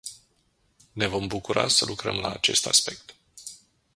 Ne vom bucura să lucrăm la acest aspect.